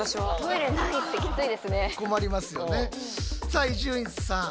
さあ伊集院さん。